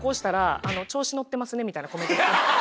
みたいなコメント来て。